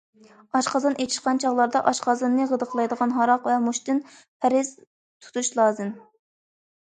ئاشقازان ئېچىشقان چاغلاردا ئاشقازىنىنى غىدىقلايدىغان ھاراق ۋە مۇچتىن پەرھىز تۇتۇش لازىم.